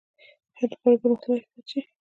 هند غواړي پرمختللی هیواد شي.